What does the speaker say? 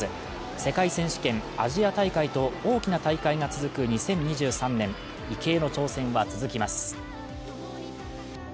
世界選手権、アジア大会と大きな大会が続く２０２３年池江の挑戦は続きます。